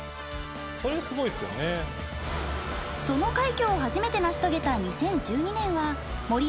その快挙を初めて成し遂げた２０１２年は森保一監督が就任した年。